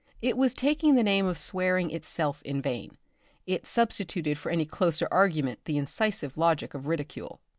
It was taking the name of swearing itself in vain. It substituted for any closer argument the incisive logic of ridicule.